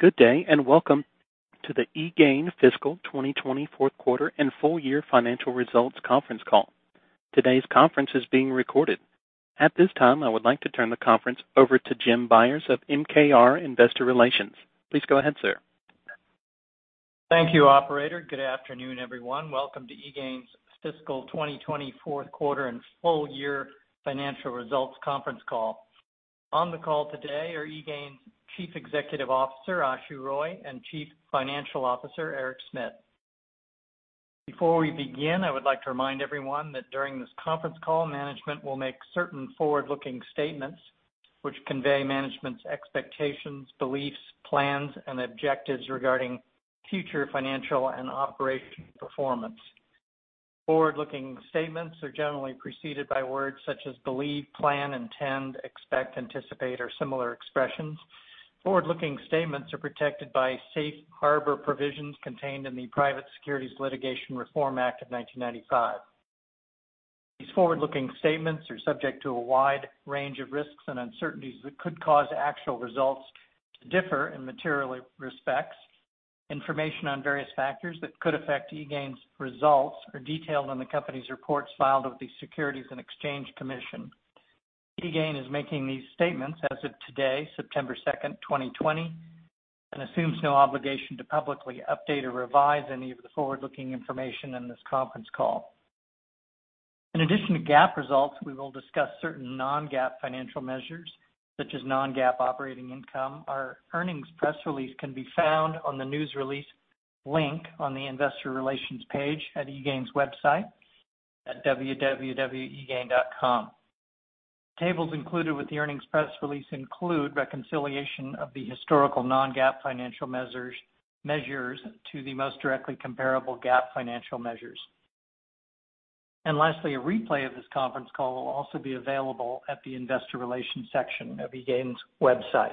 Good day, and welcome to the eGain Fiscal 2020 Fourth Quarter and Full-Year Financial Results Conference Call. Today's conference is being recorded. At this time, I would like to turn the conference over to Jim Byers of MKR Investor Relations. Please go ahead, sir. Thank you, operator. Good afternoon, everyone. Welcome to eGain's Fiscal 2020 Fourth Quarter and Full-Year Financial Results Conference Call. On the call today are eGain's Chief Executive Officer, Ashu Roy, and Chief Financial Officer, Eric Smit. Before we begin, I would like to remind everyone that during this conference call, management will make certain forward-looking statements which convey management's expectations, beliefs, plans, and objectives regarding future financial and operation performance. Forward-looking statements are generally preceded by words such as believe, plan, intend, expect, anticipate, or similar expressions. Forward-looking statements are protected by Safe Harbor provisions contained in the Private Securities Litigation Reform Act of 1995. These forward-looking statements are subject to a wide range of risks and uncertainties that could cause actual results to differ in material respects. Information on various factors that could affect eGain's results are detailed in the company's reports filed with the Securities and Exchange Commission. eGain is making these statements as of today, September 2nd, 2020, and assumes no obligation to publicly update or revise any of the forward-looking information in this conference call. In addition to GAAP results, we will discuss certain non-GAAP financial measures, such as non-GAAP operating income. Our earnings press release can be found on the news release link on the investor relations page at eGain's website at www.egain.com. Tables included with the earnings press release include reconciliation of the historical non-GAAP financial measures to the most directly comparable GAAP financial measures. Lastly, a replay of this conference call will also be available at the investor relations section of eGain's website.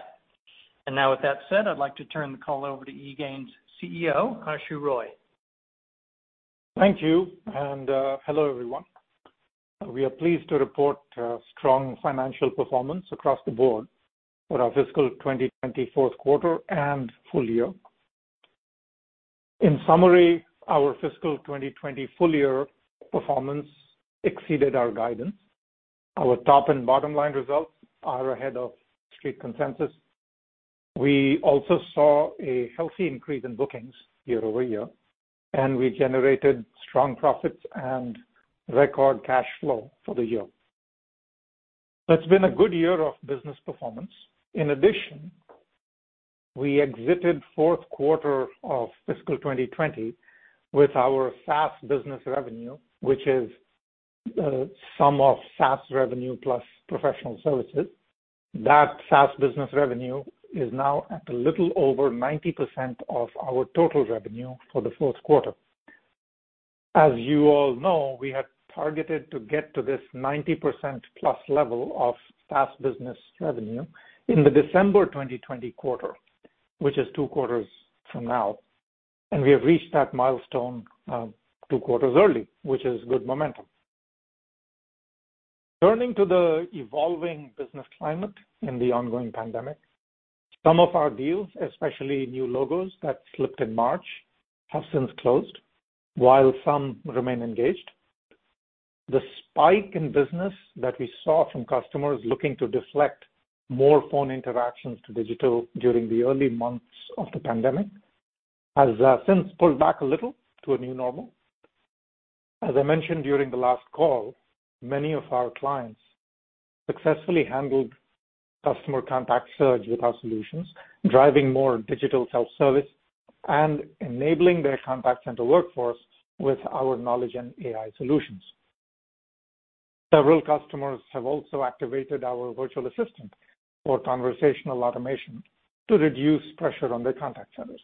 Now with that said, I'd like to turn the call over to eGain's CEO, Ashu Roy. Thank you. Hello everyone. We are pleased to report a strong financial performance across the board for our fiscal 2020 fourth quarter and full-year. In summary, our fiscal 2020 full-year performance exceeded our guidance. Our top and bottom line results are ahead of street consensus. We also saw a healthy increase in bookings year-over-year, and we generated strong profits and record cash flow for the year. It's been a good year of business performance. In addition, we exited fourth quarter of fiscal 2020 with our SaaS business revenue, which is the sum of SaaS revenue plus professional services. That SaaS business revenue is now at a little over 90% of our total revenue for the fourth quarter. As you all know, we had targeted to get to this 90%+ level of SaaS business revenue in the December 2020 quarter, which is two quarters from now, and we have reached that milestone two quarters early, which is good momentum. Turning to the evolving business climate in the ongoing pandemic. Some of our deals, especially new logos that slipped in March, have since closed, while some remain engaged. The spike in business that we saw from customers looking to deflect more phone interactions to digital during the early months of the pandemic has since pulled back a little to a new normal. As I mentioned during the last call, many of our clients successfully handled customer contact surge with our solutions, driving more digital self-service and enabling their contact center workforce with our knowledge and AI solutions. Several customers have also activated our virtual assistant for conversational automation to reduce pressure on their contact centers.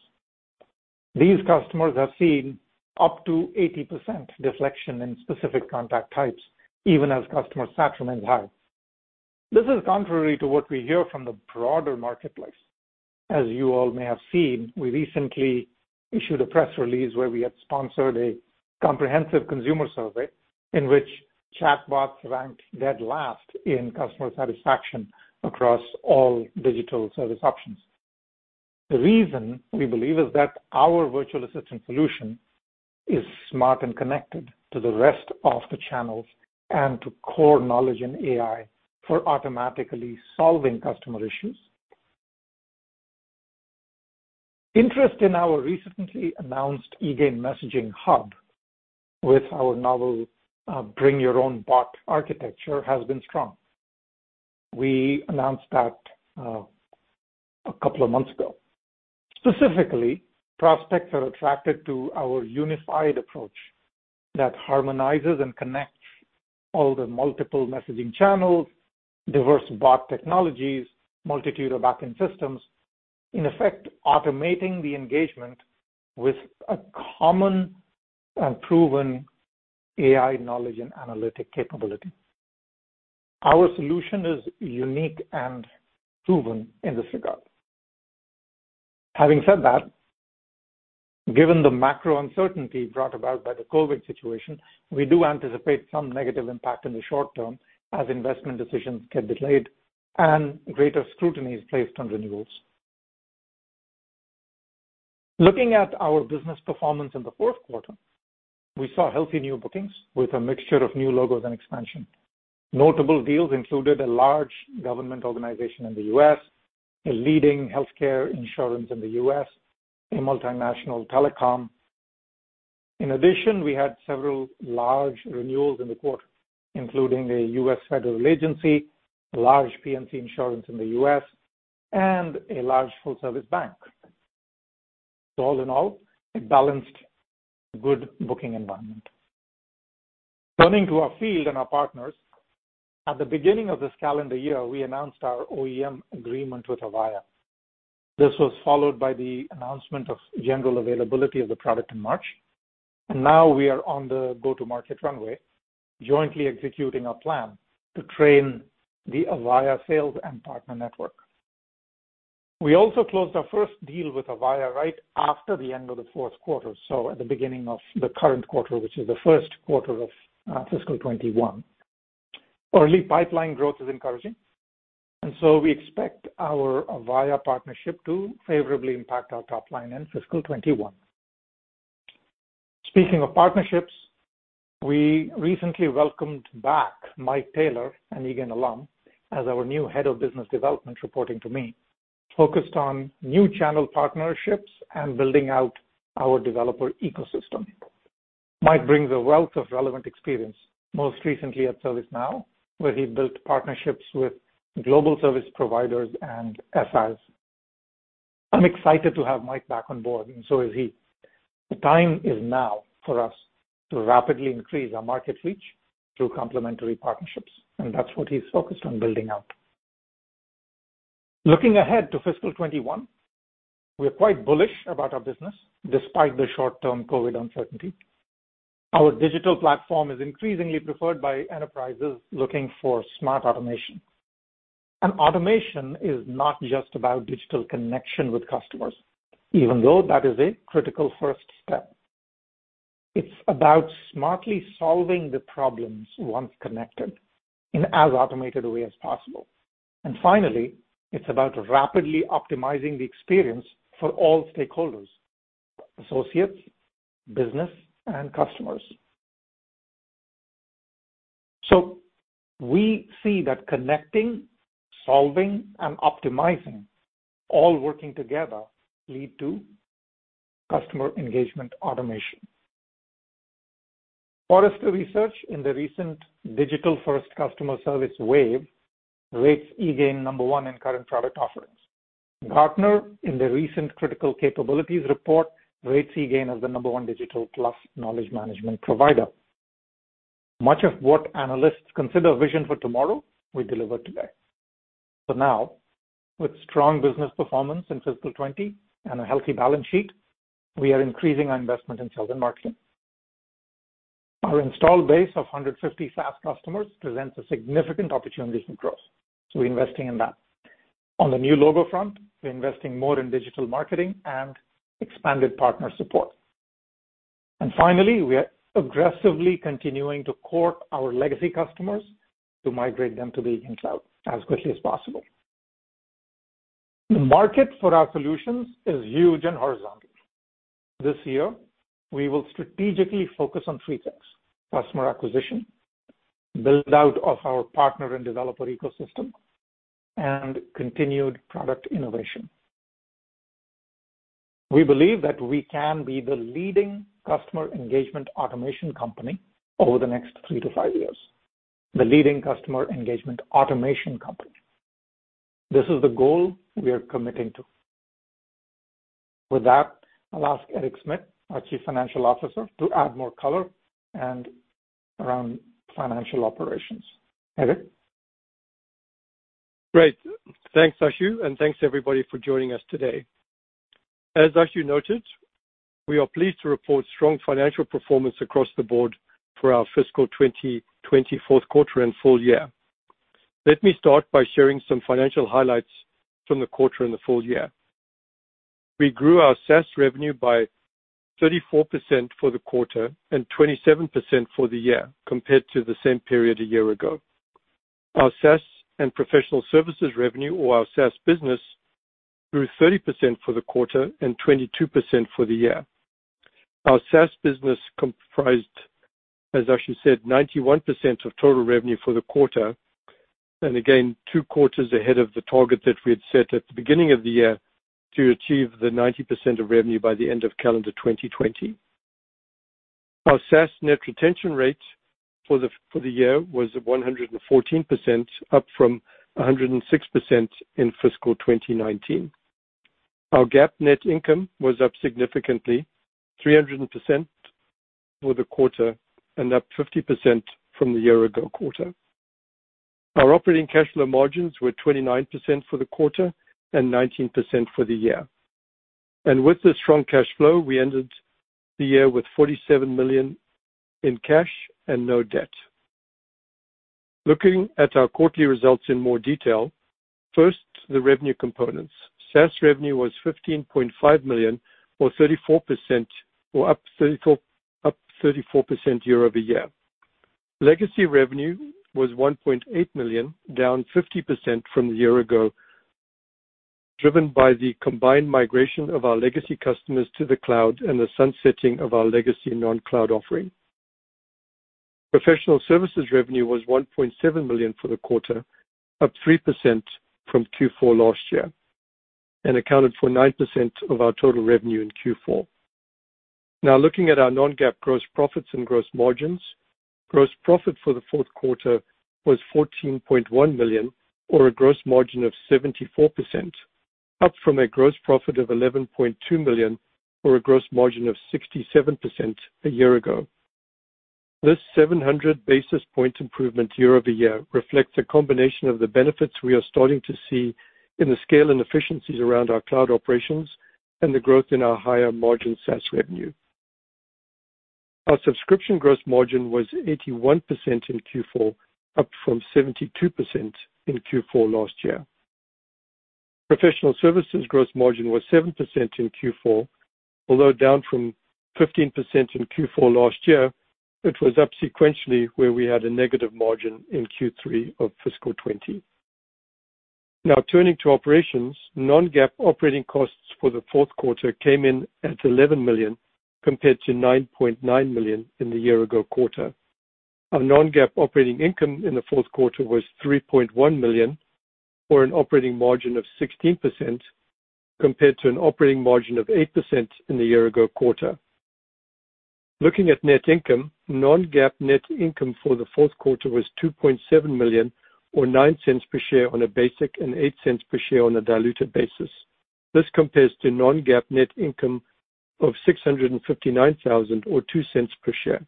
These customers have seen up to 80% deflection in specific contact types, even as customer sat remains high. This is contrary to what we hear from the broader marketplace. As you all may have seen, we recently issued a press release where we had sponsored a comprehensive consumer survey in which chatbots ranked dead last in customer satisfaction across all digital service options. The reason we believe is that our virtual assistant solution is smart and connected to the rest of the channels and to core knowledge and AI for automatically solving customer issues. Interest in our recently announced eGain Messaging Hub with our novel Bring Your Own Bot architecture has been strong. We announced that a couple of months ago. Specifically, prospects are attracted to our unified approach that harmonizes and connects all the multiple messaging channels, diverse bot technologies, multitude of backend systems, in effect, automating the engagement with a common and proven AI knowledge and analytic capability. Our solution is unique and proven in this regard. Having said that, given the macro uncertainty brought about by the COVID situation, we do anticipate some negative impact in the short-term as investment decisions get delayed and greater scrutiny is placed on renewals. Looking at our business performance in the fourth quarter, we saw healthy new bookings with a mixture of new logos and expansion. Notable deals included a large government organization in the U.S., a leading healthcare insurance in the U.S., a multinational telecom. We had several large renewals in the quarter, including a U.S. federal agency, a large P&C insurance in the U.S., and a large full-service bank. All in all, a balanced, good booking environment. Turning to our field and our partners, at the beginning of this calendar year, we announced our OEM agreement with Avaya. This was followed by the announcement of general availability of the product in March. Now we are on the go-to-market runway, jointly executing a plan to train the Avaya sales and partner network. We also closed our first deal with Avaya right after the end of the fourth quarter, at the beginning of the current quarter, which is the first quarter of fiscal 2021. Early pipeline growth is encouraging. We expect our Avaya partnership to favorably impact our top line in fiscal 2021. Speaking of partnerships, we recently welcomed back Mike Taylor, an eGain alum, as our new head of business development, reporting to me, focused on new channel partnerships and building out our developer ecosystem. Mike brings a wealth of relevant experience, most recently at ServiceNow, where he built partnerships with global service providers and SIs. I'm excited to have Mike back on board, and so is he. The time is now for us to rapidly increase our market reach through complementary partnerships. That's what he's focused on building out. Looking ahead to fiscal 2021, we're quite bullish about our business, despite the short-term COVID uncertainty. Our digital platform is increasingly preferred by enterprises looking for smart automation. Automation is not just about digital connection with customers, even though that is a critical first step. It's about smartly solving the problems once connected in as automated a way as possible. Finally, it's about rapidly optimizing the experience for all stakeholders, associates, business, and customers. We see that connecting, solving, and optimizing all working together lead to customer engagement automation. Forrester Research, in the recent Digital-First Customer Service Wave, rates eGain number one in current product offerings. Gartner, in the recent Critical Capabilities report, rates eGain as the number one digital plus knowledge management provider. Much of what analysts consider vision for tomorrow, we deliver today. Now, with strong business performance in fiscal 2020 and a healthy balance sheet, we are increasing our investment in sales and marketing. Our installed base of 150 SaaS customers presents a significant opportunity to grow, so we're investing in that. On the new logo front, we're investing more in digital marketing and expanded partner support. Finally, we are aggressively continuing to court our legacy customers to migrate them to the eGain cloud as quickly as possible. The market for our solutions is huge and horizontal. This year, we will strategically focus on three things: customer acquisition, build-out of our partner and developer ecosystem, and continued product innovation. We believe that we can be the leading customer engagement automation company over the next three to five years, the leading customer engagement automation company. This is the goal we are committing to. With that, I'll ask Eric Smit, our Chief Financial Officer, to add more color and around financial operations. Eric? Great. Thanks, Ashu, thanks, everybody, for joining us today. As Ashu noted, we are pleased to report strong financial performance across the board for our fiscal 2020 fourth quarter and full-year. Let me start by sharing some financial highlights from the quarter and the full-year. We grew our SaaS revenue by 34% for the quarter and 27% for the year compared to the same period a year ago. Our SaaS and professional services revenue, or our SaaS business, grew 30% for the quarter and 22% for the year. Our SaaS business comprised, as Ashu said, 91% of total revenue for the quarter, and again, two quarters ahead of the target that we had set at the beginning of the year to achieve the 90% of revenue by the end of calendar 2020. Our SaaS net retention rate for the year was at 114%, up from 106% in fiscal 2019. Our GAAP net income was up significantly, 300% for the quarter and up 50% from the year-ago quarter. Our operating cash flow margins were 29% for the quarter and 19% for the year. With the strong cash flow, we ended the year with $47 million in cash and no debt. Looking at our quarterly results in more detail. First, the revenue components. SaaS revenue was $15.5 million or 34% or up 34% year-over-year. Legacy revenue was $1.8 million, down 50% from a year ago, driven by the combined migration of our legacy customers to the cloud and the sunsetting of our legacy non-cloud offering. Professional services revenue was $1.7 million for the quarter, up 3% from Q4 last year, and accounted for 9% of our total revenue in Q4. Now looking at our non-GAAP gross profits and gross margins. Gross profit for the fourth quarter was $14.1 million or a gross margin of 74%, up from a gross profit of $11.2 million or a gross margin of 67% a year ago. This 700 basis point improvement year-over-year reflects a combination of the benefits we are starting to see in the scale and efficiencies around our cloud operations and the growth in our higher margin SaaS revenue. Our subscription gross margin was 81% in Q4, up from 72% in Q4 last year. Professional services gross margin was 7% in Q4, although down from 15% in Q4 last year, it was up sequentially where we had a negative margin in Q3 of fiscal 2020. Now turning to operations. Non-GAAP operating costs for the fourth quarter came in at $11 million compared to $9.9 million in the year ago quarter. Our non-GAAP operating income in the fourth quarter was $3.1 million or an operating margin of 16%, compared to an operating margin of 8% in the year-ago quarter. Looking at net income. Non-GAAP net income for the fourth quarter was $2.7 million or $0.09 per share on a basic and $0.08 per share on a diluted basis. This compares to non-GAAP net income of $659,000 or $0.02 per share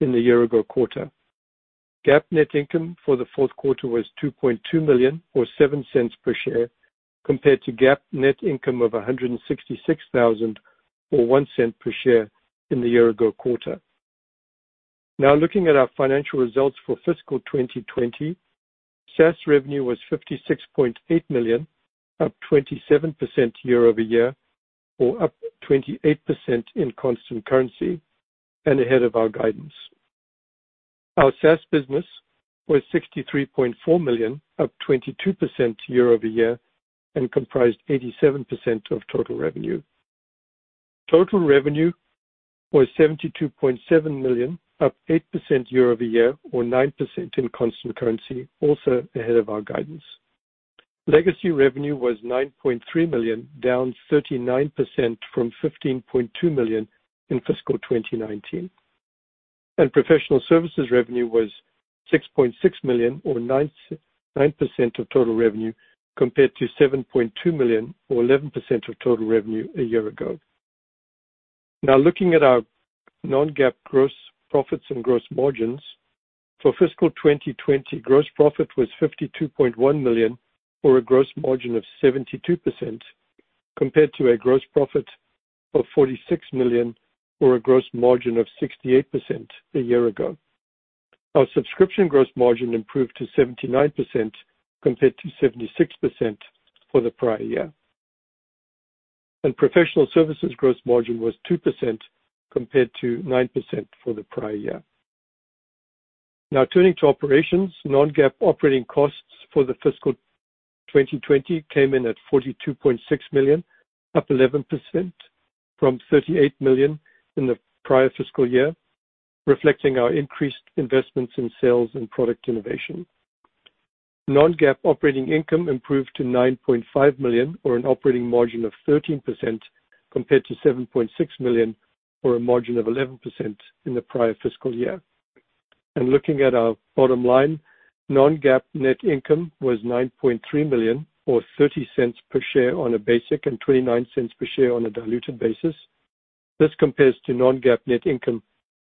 in the year-ago quarter. GAAP net income for the fourth quarter was $2.2 million or $0.07 per share, compared to GAAP net income of $166,000 or $0.01 per share in the year-ago quarter. Looking at our financial results for fiscal 2020. SaaS revenue was $56.8 million, up 27% year-over-year or up 28% in constant currency and ahead of our guidance. Our SaaS business was $63.4 million, up 22% year-over-year and comprised 87% of total revenue. Total revenue was $72.7 million, up 8% year-over-year or 9% in constant currency, also ahead of our guidance. Legacy revenue was $9.3 million, down 39% from $15.2 million in fiscal 2019. Professional services revenue was $6.6 million or 9% of total revenue, compared to $7.2 million or 11% of total revenue a year ago. Now looking at our non-GAAP gross profits and gross margins. For fiscal 2020, gross profit was $52.1 million or a gross margin of 72%, compared to a gross profit of $46 million or a gross margin of 68% a year ago. Our subscription gross margin improved to 79% compared to 76% for the prior year. Professional services gross margin was 2% compared to 9% for the prior year. Now turning to operations. Non-GAAP operating costs for the fiscal 2020 came in at $42.6 million, up 11% from $38 million in the prior fiscal year, reflecting our increased investments in sales and product innovation. Non-GAAP operating income improved to $9.5 million or an operating margin of 13%, compared to $7.6 million or a margin of 11% in the prior fiscal year. Looking at our bottom line. Non-GAAP net income was $9.3 million, or $0.30 per share on a basic and $0.29 per share on a diluted basis. This compares to non-GAAP net income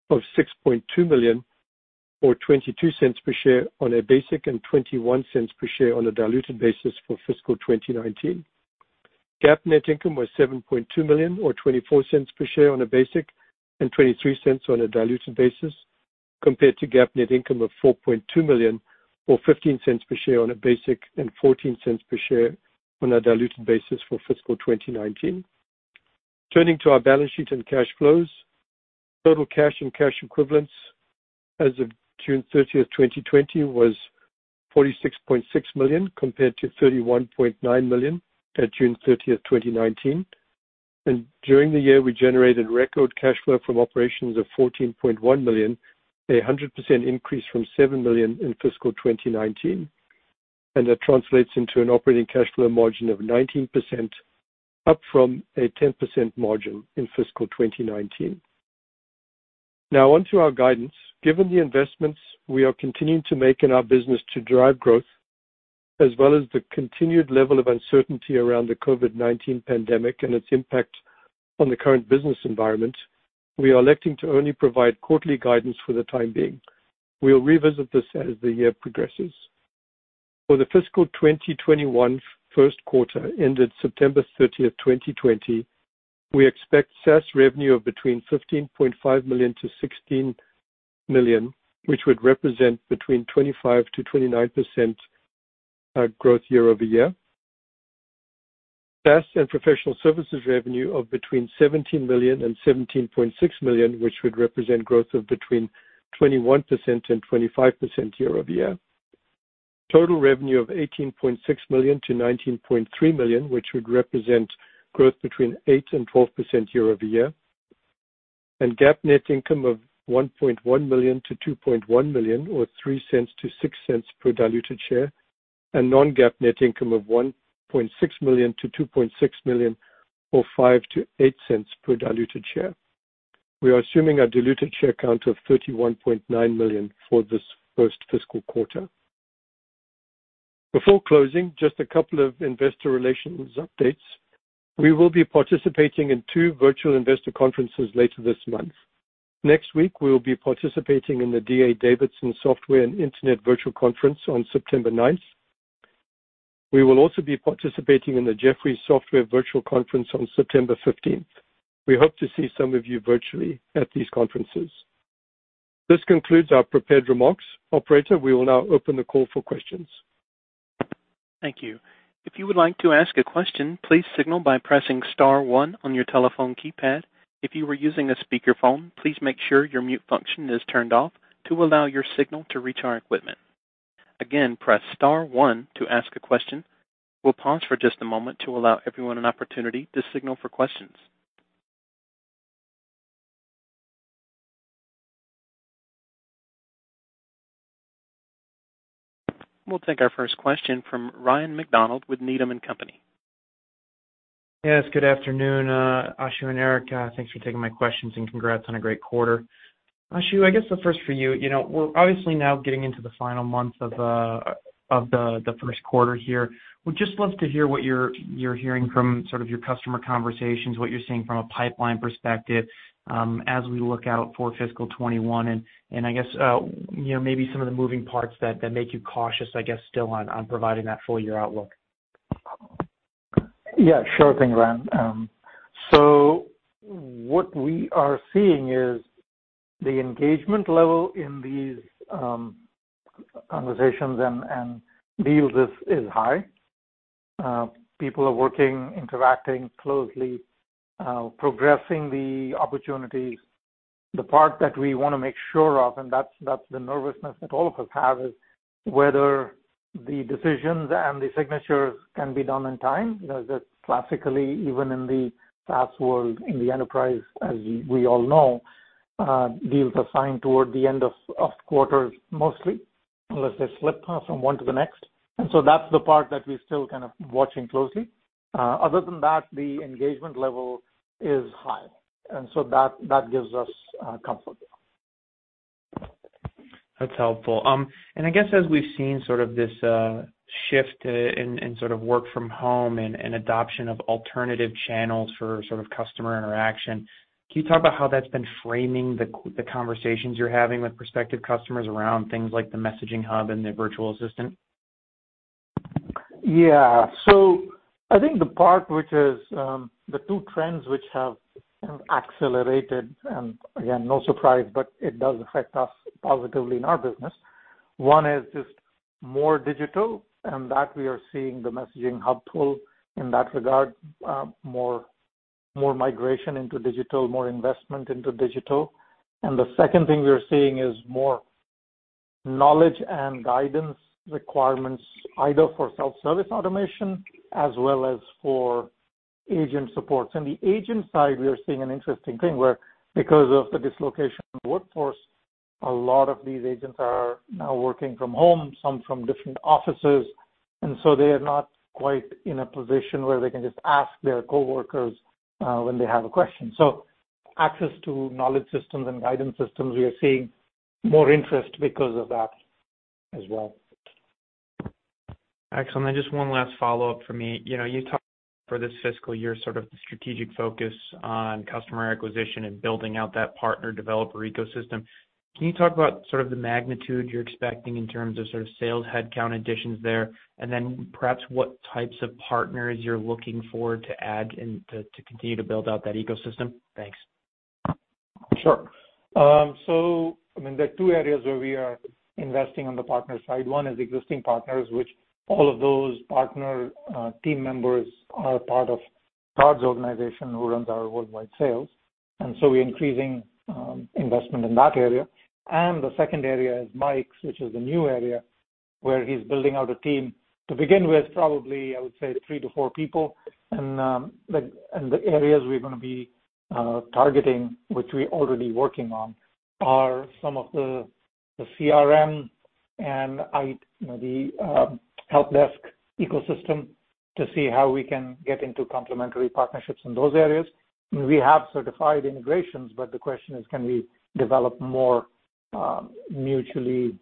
of $6.2 million or $0.22 per share on a basic and $0.21 per share on a diluted basis for fiscal 2019. GAAP net income was $7.2 million or $0.24 per share on a basic and $0.23 on a diluted basis, compared to GAAP net income of $4.2 million or $0.15 per share on a basic and $0.14 per share on a diluted basis for fiscal 2019. Turning to our balance sheet and cash flows. Total cash and cash equivalents as of June 30th, 2020 was $46.6 million, compared to $31.9 million at June 30th, 2019. During the year, we generated record cash flow from operations of $14.1 million, a 100% increase from $7 million in fiscal 2019. That translates into an operating cash flow margin of 19%, up from a 10% margin in fiscal 2019. Now on to our guidance. Given the investments we are continuing to make in our business to drive growth, as well as the continued level of uncertainty around the COVID-19 pandemic and its impact on the current business environment, we are electing to only provide quarterly guidance for the time being. We will revisit this as the year progresses. For the fiscal 2021 first quarter ended September 30th, 2020, we expect SaaS revenue of between $15.5 million-$16 million, which would represent between 25%-29% growth year-over-year. SaaS and professional services revenue of between $17 million and $17.6 million, which would represent growth of between 21% and 25% year-over-year. Total revenue of $18.6 million-$19.3 million, which would represent growth between 8% and 12% year-over-year. GAAP net income of $1.1 million-$2.1 million, or $0.03-$0.06 per diluted share, and non-GAAP net income of $1.6 million-$2.6 million, or $0.05-$0.08 per diluted share. We are assuming a diluted share count of 31.9 million for this first fiscal quarter. Before closing, just a couple of investor relations updates. We will be participating in two virtual investor conferences later this month. Next week, we will be participating in the D.A. Davidson Software and Internet Virtual Conference on September 9th. We will also be participating in the Jefferies Software Virtual Conference on September 15th. We hope to see some of you virtually at these conferences. This concludes our prepared remarks. Operator, we will now open the call for questions. Thank you. If you would like to ask a question, please signal by pressing star one on your telephone keypad. If you are using a speakerphone, please make sure your mute function is turned off to allow your signal to reach our equipment. Again, press star one to ask a question. We'll pause for just a moment to allow everyone an opportunity to signal for questions. We'll take our first question from Ryan MacDonald with Needham & Company. Yes, good afternoon, Ashu and Eric. Thanks for taking my questions, and congrats on a great quarter. Ashu, I guess the first for you. We're obviously now getting into the final months of the first quarter here. Would just love to hear what you're hearing from your customer conversations, what you're seeing from a pipeline perspective, as we look out for fiscal 2021, and I guess, maybe some of the moving parts that make you cautious, I guess, still on providing that full-year outlook. Yeah, sure thing, Ryan. What we are seeing is the engagement level in these conversations and deals is high. People are working, interacting closely, progressing the opportunities. The part that we want to make sure of, and that's the nervousness that all of us have, is whether the decisions and the signatures can be done on time, because classically, even in the past world, in the enterprise, as we all know, deals are signed toward the end of quarters mostly, unless they slip from one to the next. That's the part that we're still kind of watching closely. Other than that, the engagement level is high. That gives us comfort there. That's helpful. I guess as we've seen this shift in work from home and adoption of alternative channels for customer interaction, can you talk about how that's been framing the conversations you're having with prospective customers around things like the Messaging Hub and the virtual assistant? I think the part which is the two trends which have accelerated, and again, no surprise, but it does affect us positively in our business. One is just more digital, and that we are seeing the Messaging Hub pull in that regard. More migration into digital, more investment into digital. The second thing we are seeing is more knowledge and guidance requirements, either for self-service automation as well as for agent supports. In the agent side, we are seeing an interesting thing where, because of the dislocation workforce, a lot of these agents are now working from home, some from different offices. They are not quite in a position where they can just ask their coworkers when they have a question. Access to knowledge systems and guidance systems, we are seeing more interest because of that as well. Excellent. Just one last follow-up for me. You talked for this fiscal year, sort of the strategic focus on customer acquisition and building out that partner developer ecosystem. Can you talk about the magnitude you're expecting in terms of sales headcount additions there, and then perhaps what types of partners you're looking for to add and to continue to build out that ecosystem? Thanks. Sure. There are two areas where we are investing on the partner side. One is existing partners, which all of those partner team members are part of Taj's organization, who runs our worldwide sales. We're increasing investment in that area. The second area is Mike's, which is a new area, where he's building out a team to begin with probably, I would say, three to four people. The areas we're going to be targeting, which we're already working on, are some of the CRM and the help desk ecosystem to see how we can get into complementary partnerships in those areas. We have certified integrations, but the question is, can we develop more mutually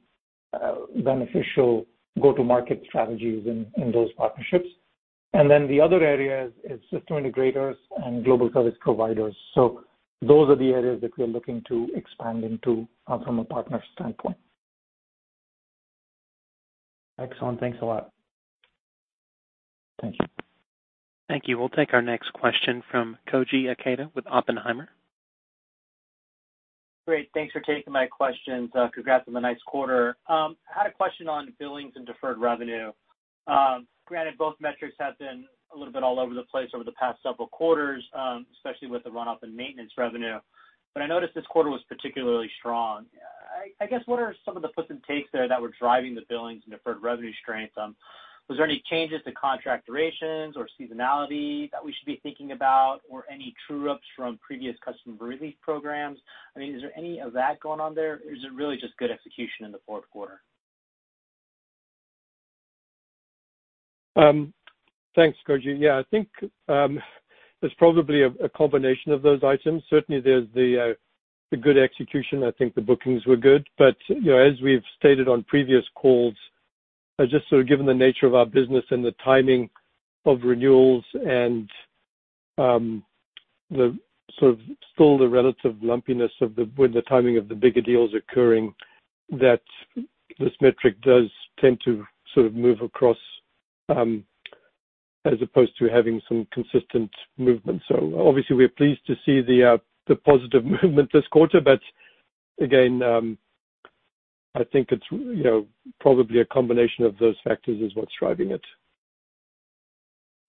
beneficial go-to-market strategies in those partnerships? The other area is System Integrators and global service providers. Those are the areas that we're looking to expand into from a partner standpoint. Excellent. Thanks a lot. Thank you. Thank you. We'll take our next question from Koji Ikeda with Oppenheimer. Great. Thanks for taking my questions. Congrats on the nice quarter. I had a question on billings and deferred revenue. Granted, both metrics have been a little bit all over the place over the past several quarters, especially with the runoff in maintenance revenue, but I noticed this quarter was particularly strong. I guess, what are some of the puts and takes there that were driving the billings and deferred revenue strength? Was there any changes to contract durations or seasonality that we should be thinking about or any true ups from previous customer relief programs? I mean, is there any of that going on there or is it really just good execution in the fourth quarter? Thanks, Koji. Yeah, I think there's probably a combination of those items. Certainly, there's the good execution. I think the bookings were good. As we've stated on previous calls, just sort of given the nature of our business and the timing of renewals and the sort of still the relative lumpiness of when the timing of the bigger deals occurring, that this metric does tend to sort of move across as opposed to having some consistent movement. Obviously we're pleased to see the positive movement this quarter, but again, I think it's probably a combination of those factors is what's driving it.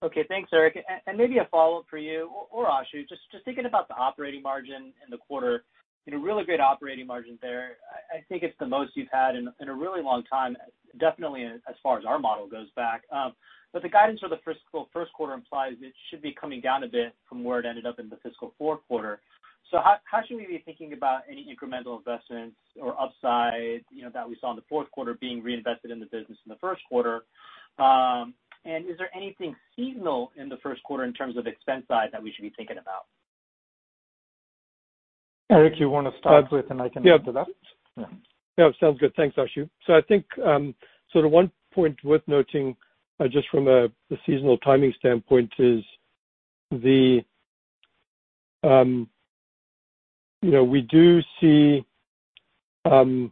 Okay. Thanks, Eric. Maybe a follow-up for you or Ashu, just thinking about the operating margin in the quarter, really great operating margin there. I think it's the most you've had in a really long time, definitely as far as our model goes back. The guidance for the fiscal first quarter implies it should be coming down a bit from where it ended up in the fiscal fourth quarter. How should we be thinking about any incremental investments or upside that we saw in the fourth quarter being reinvested in the business in the first quarter? Is there anything seasonal in the first quarter in terms of expense side that we should be thinking about? Eric, you want to start with and I can add to that? Yeah. Sounds good. Thanks, Ashu. I think sort of one point worth noting just from a seasonal timing standpoint is we do see as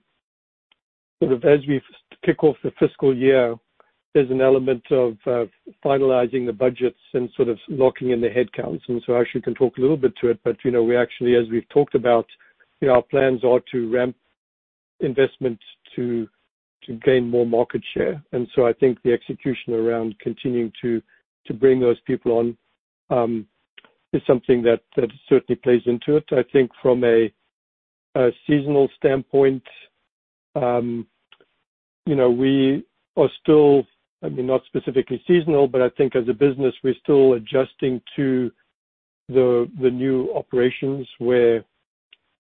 we kick off the fiscal year, there's an element of finalizing the budgets and sort of locking in the headcounts. Ashu can talk a little bit to it, but we actually, as we've talked about, our plans are to ramp investments to gain more market share. I think the execution around continuing to bring those people on is something that certainly plays into it. I think from a seasonal standpoint, we are still, I mean, not specifically seasonal, but I think as a business, we're still adjusting to the new operations where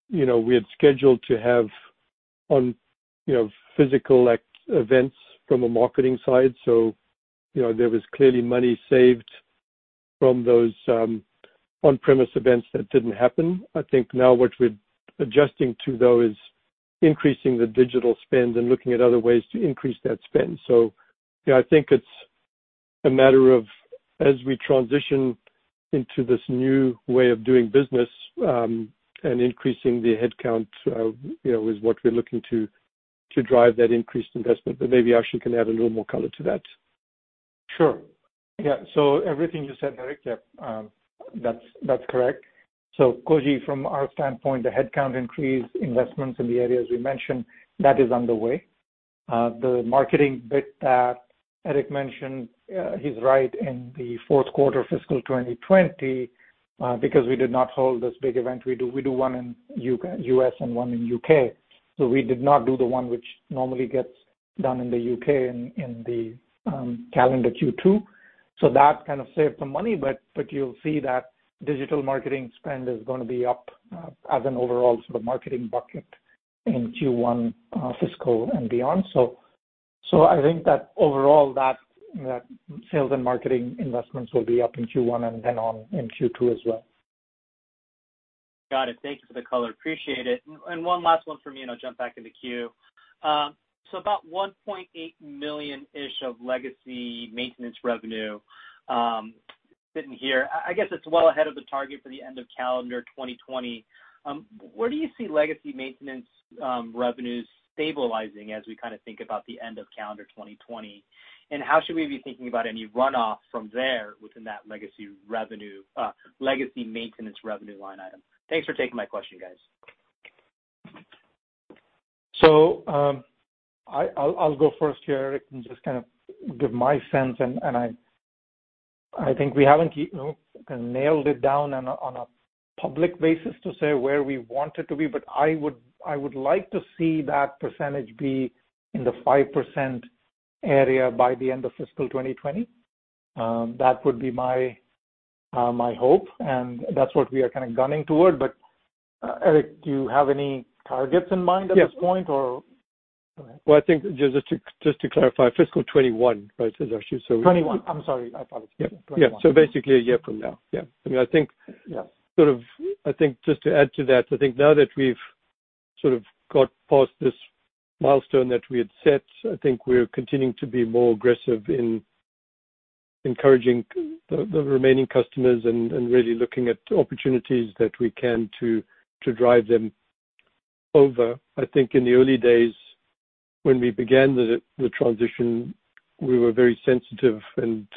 we had scheduled to have on physical events from a marketing side. There was clearly money saved from those on-premise events that didn't happen. I think now what we're adjusting to though, is increasing the digital spend and looking at other ways to increase that spend. I think it's a matter of as we transition into this new way of doing business and increasing the headcount is what we're looking to drive that increased investment. Maybe Ashu can add a little more color to that. Sure. Yeah. Everything you said, Eric, that's correct. Koji, from our standpoint, the headcount increase, investments in the areas we mentioned, that is underway. The marketing bit that Eric mentioned, he's right in the fourth quarter fiscal 2020, because we did not hold this big event. We do one in U.S. and one in U.K. We did not do the one which normally gets done in the U.K. in the calendar Q2. That kind of saved some money, but you'll see that digital marketing spend is going to be up as an overall sort of marketing bucket in Q1 fiscal and beyond. I think that overall, that sales and marketing investments will be up in Q1 and then on in Q2 as well. Got it. Thanks for the color. Appreciate it. One last one from me, I'll jump back in the queue. About $1.8 million-ish of legacy maintenance revenue sitting here. I guess it's well ahead of the target for the end of calendar 2020. Where do you see legacy maintenance revenues stabilizing as we kind of think about the end of calendar 2020? How should we be thinking about any runoff from there within that legacy maintenance revenue line item? Thanks for taking my question, guys. I'll go first here, Eric, and just kind of give my sense and I think we haven't nailed it down on a public basis to say where we want it to be, but I would like to see that percentage be in the 5% area by the end of fiscal 2020. That would be my hope, and that's what we are kind of gunning toward. Eric, do you have any targets in mind at this point or? Well, I think just to clarify fiscal 2021, right, Ashu? 2021, I'm sorry. I apologize. Yeah. Basically a year from now. Yeah. I mean, I think. Yes I think just to add to that, I think now that we've sort of got past this milestone that we had set. I think we're continuing to be more aggressive in encouraging the remaining customers and really looking at opportunities that we can to drive them over. I think in the early days when we began the transition, we were very sensitive and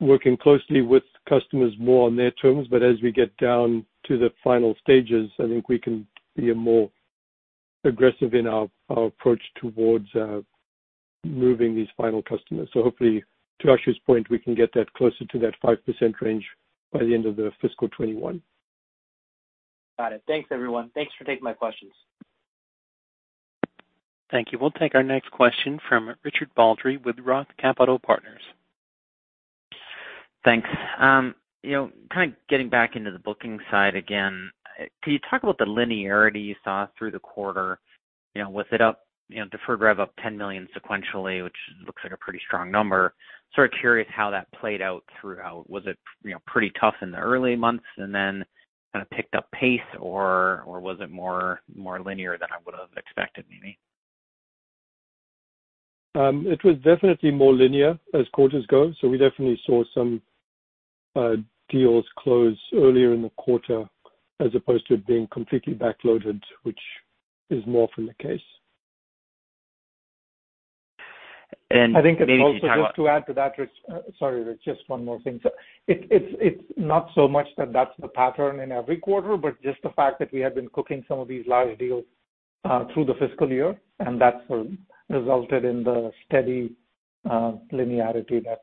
working closely with customers more on their terms. As we get down to the final stages, I think we can be more aggressive in our approach towards moving these final customers. Hopefully, to Ashu's point, we can get that closer to that 5% range by the end of the fiscal 2021. Got it. Thanks, everyone. Thanks for taking my questions. Thank you. We'll take our next question from Richard Baldry with Roth Capital Partners. Thanks. Kind of getting back into the booking side again, can you talk about the linearity you saw through the quarter? Deferred rev up $10 million sequentially, which looks like a pretty strong number. Sort of curious how that played out throughout. Was it pretty tough in the early months and then kind of picked up pace? Was it more linear than I would have expected, maybe? It was definitely more linear as quarters go. We definitely saw some deals close earlier in the quarter as opposed to it being completely backloaded, which is more often the case. And maybe talk about- I think also just to add to that, Rich. Sorry, Rich, just one more thing. It's not so much that that's the pattern in every quarter, but just the fact that we have been cooking some of these large deals through the fiscal year, and that's what resulted in the steady linearity that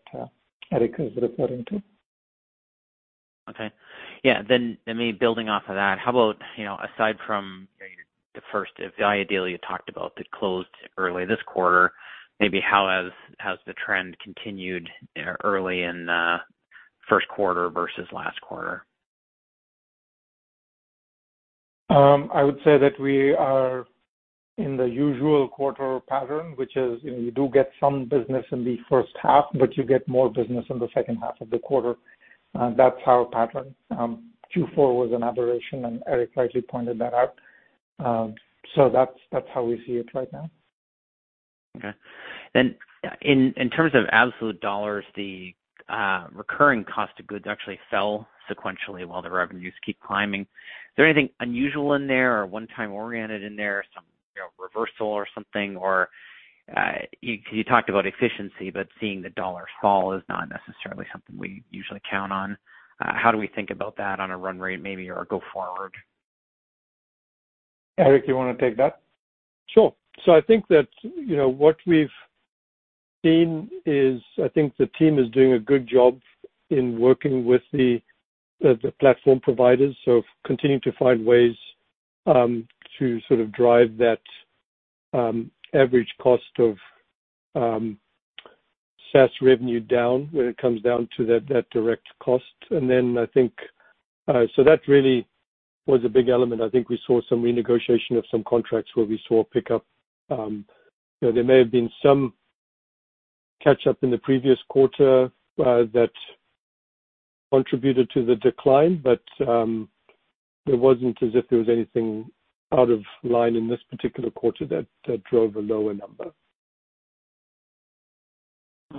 Eric is referring to. Okay. Yeah. Maybe building off of that, how about aside from the first Avaya deal you talked about that closed early this quarter, maybe how has the trend continued early in the first quarter versus last quarter? I would say that we are in the usual quarter pattern, which is you do get some business in the first half, but you get more business in the second half of the quarter. That's our pattern. Q4 was an aberration, and Eric rightly pointed that out. That's how we see it right now. Okay. In terms of absolute dollars, the recurring cost of goods actually fell sequentially while the revenues keep climbing. Is there anything unusual in there or one-time oriented in there, some reversal or something? You talked about efficiency, but seeing the dollar fall is not necessarily something we usually count on. How do we think about that on a run rate maybe, or go forward? Eric, you want to take that? Sure. I think that what we've seen is, I think the team is doing a good job in working with the platform providers. Continuing to find ways to sort of drive that average cost of SaaS revenue down when it comes down to that direct cost. That really was a big element. I think we saw some renegotiation of some contracts where we saw a pickup. There may have been some catch-up in the previous quarter that contributed to the decline, but it wasn't as if there was anything out of line in this particular quarter that drove a lower number.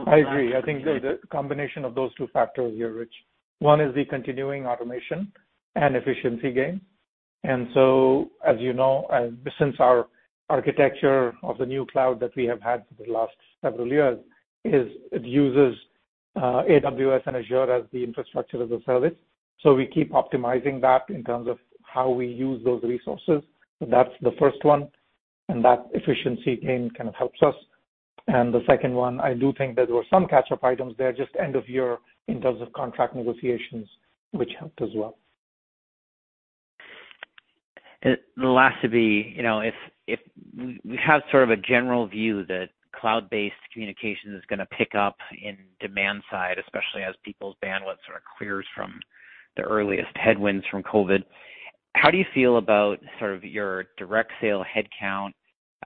I agree. I think the combination of those two factors here, Rich. One is the continuing automation and efficiency gain. As you know, since our architecture of the new cloud that we have had for the last several years is it uses AWS and Azure as the infrastructure as a service. We keep optimizing that in terms of how we use those resources. That's the first one, and that efficiency gain kind of helps us. The second one, I do think there were some catch-up items there, just end of year in terms of contract negotiations, which helped as well. Last would be, if we have sort of a general view that cloud-based communication is going to pick up in demand side, especially as people's bandwidth sort of clears from the earliest headwinds from COVID, how do you feel about sort of your direct sale headcount,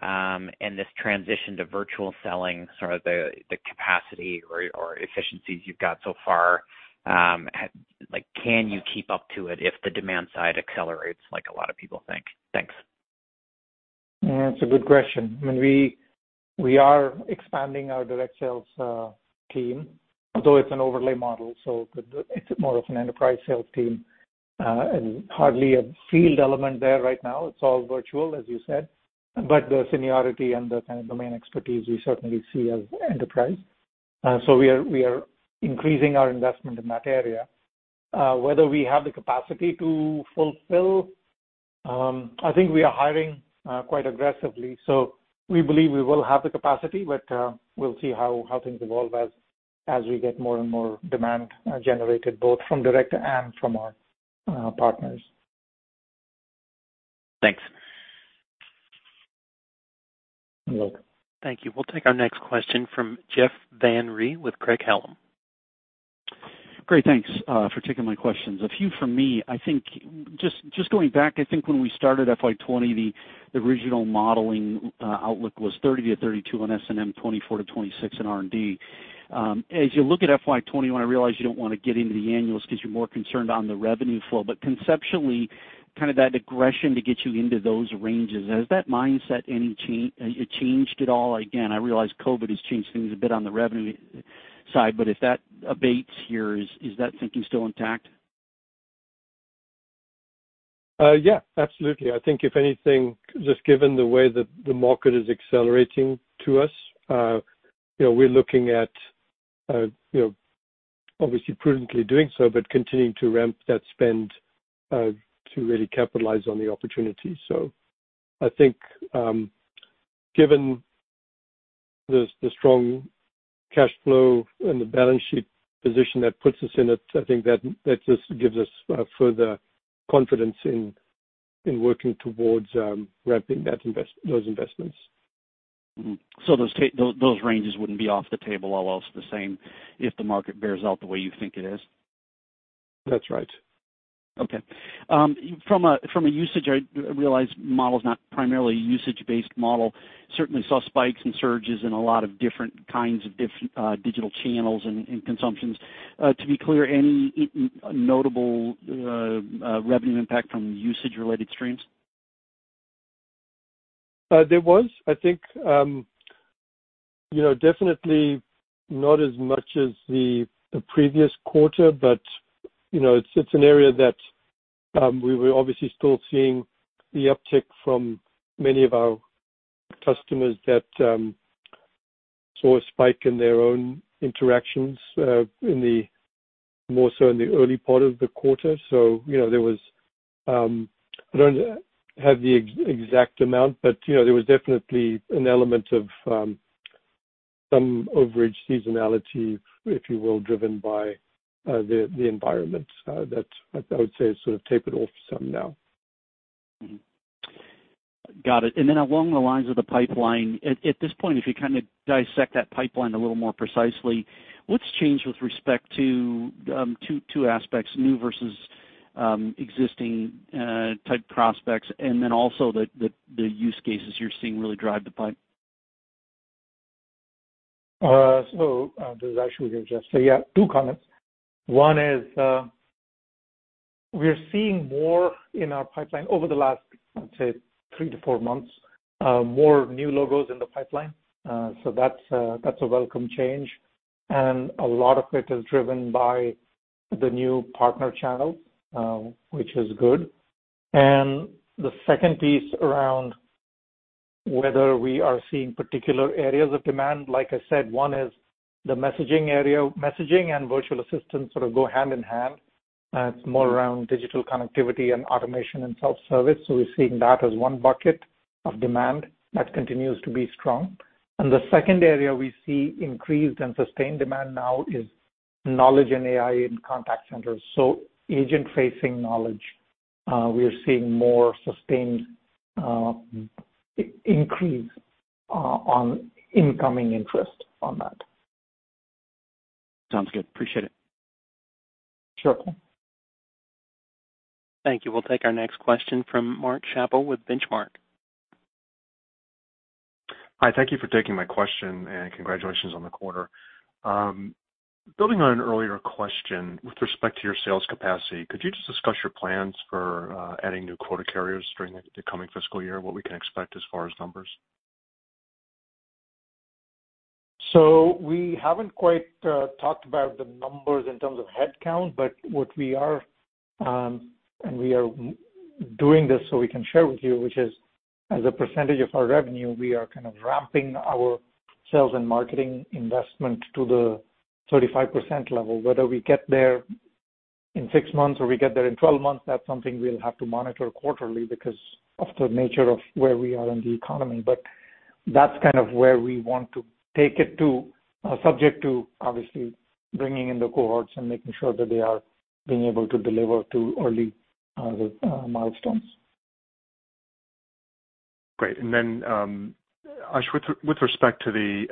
and this transition to virtual selling, sort of the capacity or efficiencies you've got so far? Can you keep up to it if the demand side accelerates like a lot of people think? Thanks. That's a good question. I mean, we are expanding our direct sales team, although it's an overlay model, so it's more of an enterprise sales team, and hardly a field element there right now. It's all virtual, as you said. The seniority and the kind of domain expertise we certainly see as enterprise. We are increasing our investment in that area. Whether we have the capacity to fulfill, I think we are hiring quite aggressively. We believe we will have the capacity, but we'll see how things evolve as we get more and more demand generated, both from direct and from our partners. Thanks. You're welcome. Thank you. We'll take our next question from Jeff Van Rhee with Craig-Hallum. Great, thanks for taking my questions. A few from me. I think just going back, I think when we started FY 2020, the original modeling outlook was 30-32 on S&M, 24-26 in R&D. As you look at FY 2021, I realize you don't want to get into the annuals because you're more concerned on the revenue flow. Conceptually, kind of that aggression to get you into those ranges, has that mindset changed at all? Again, I realize COVID has changed things a bit on the revenue side, but if that abates here, is that thinking still intact? Yeah, absolutely. I think if anything, just given the way that the market is accelerating to us, we're looking at obviously prudently doing so, but continuing to ramp that spend to really capitalize on the opportunity. I think given the strong cash flow and the balance sheet position that puts us in, I think that just gives us further confidence in working towards ramping those investments. Those ranges wouldn't be off the table, all else the same, if the market bears out the way you think it is? That's right. From a usage, I realize model's not primarily a usage-based model. Certainly saw spikes and surges in a lot of different kinds of digital channels and consumptions. To be clear, any notable revenue impact from usage related streams? There was, I think, definitely not as much as the previous quarter, but it's an area that we were obviously still seeing the uptick from many of our customers that saw a spike in their own interactions, more so in the early part of the quarter. I don't have the exact amount, but there was definitely an element of some overage seasonality, if you will, driven by the environment. That I would say has sort of tapered off some now. Got it. Along the lines of the pipeline, at this point, if you kind of dissect that pipeline a little more precisely, what's changed with respect to two aspects, new versus existing type prospects, and then also the use cases you're seeing really drive the pipe? This is actually for Jeff. Yeah, two comments. One is, we are seeing more in our pipeline over the last, let's say, three to four months, more new logos in the pipeline. A lot of it is driven by the new partner channel, which is good. The second piece around whether we are seeing particular areas of demand, like I said, one is the messaging area. Messaging and virtual assistance sort of go hand in hand. It is more around digital connectivity and automation and self-service. We are seeing that as one bucket of demand that continues to be strong. The second area we see increased and sustained demand now is knowledge and AI in contact centers. Agent-facing knowledge, we are seeing more sustained increase on incoming interest on that. Sounds good. Appreciate it. Sure. Thank you. We'll take our next question from Mark Schappell with Benchmark. Hi. Thank you for taking my question, and congratulations on the quarter. Building on an earlier question with respect to your sales capacity, could you just discuss your plans for adding new quota carriers during the coming fiscal year, what we can expect as far as numbers? We haven't quite talked about the numbers in terms of head count, but what we are, and we are doing this so we can share with you, which is as a percentage of our revenue, we are kind of ramping our sales and marketing investment to the 35% level. Whether we get there in six months or we get there in 12 months, that's something we'll have to monitor quarterly because of the nature of where we are in the economy. That's kind of where we want to take it to, subject to obviously bringing in the cohorts and making sure that they are being able to deliver to early milestones. Great. Ash, with respect to the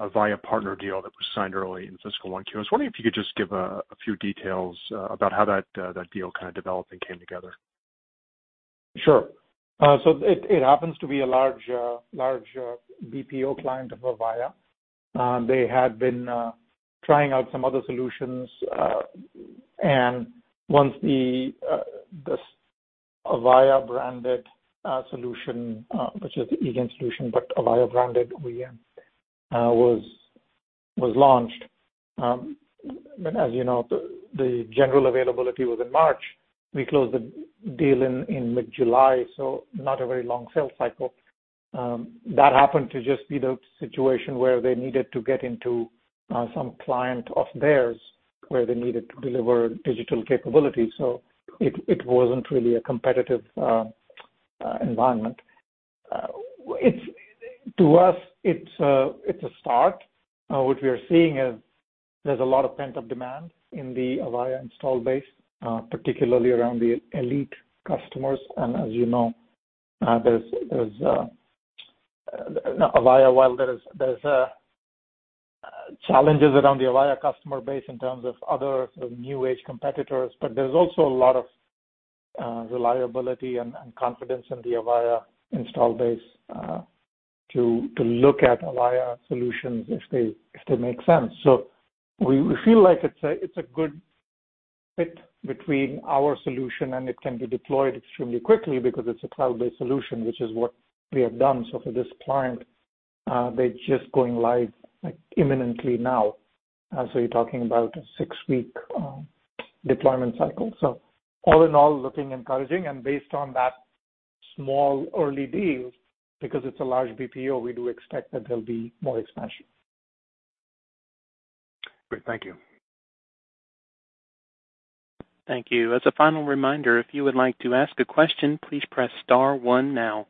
Avaya partner deal that was signed early in fiscal Q1, I was wondering if you could just give a few details about how that deal kind of developed and came together. Sure. It happens to be a large BPO client of Avaya. They had been trying out some other solutions. Once this Avaya branded solution, which is the eGain solution, but Avaya branded OEM, was launched. As you know, the general availability was in March. We closed the deal in mid-July, so not a very long sales cycle. That happened to just be the situation where they needed to get into some client of theirs where they needed to deliver digital capability. It wasn't really a competitive environment. To us, it's a start. What we are seeing is there's a lot of pent-up demand in the Avaya install base, particularly around the elite customers. As you know, Avaya, while there's challenges around the Avaya customer base in terms of other new age competitors, there's also a lot of reliability and confidence in the Avaya install base to look at Avaya solutions if they make sense. We feel like it's a good fit between our solution, and it can be deployed extremely quickly because it's a cloud-based solution, which is what we have done. For this client, they're just going live imminently now. You're talking about a six-week deployment cycle. All in all, looking encouraging. Based on that small early deal, because it's a large BPO, we do expect that there'll be more expansion. Great. Thank you. Thank you. As a final reminder, if you would like to ask a question, please press star one now.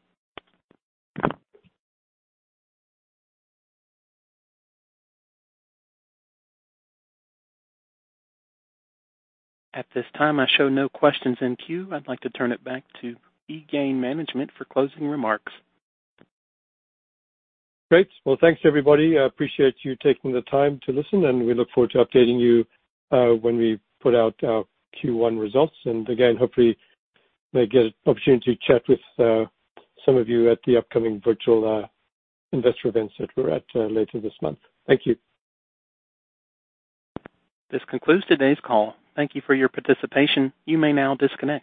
At this time, I show no questions in queue. I'd like to turn it back to eGain management for closing remarks. Great. Well, thanks everybody. I appreciate you taking the time to listen, and we look forward to updating you when we put out our Q1 results. Again, hopefully may get an opportunity to chat with some of you at the upcoming virtual investor events that we're at later this month. Thank you. This concludes today's call. Thank you for your participation. You may now disconnect.